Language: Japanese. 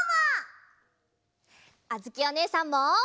あづきおねえさんも！